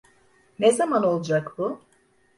Ne zaman olacak bu?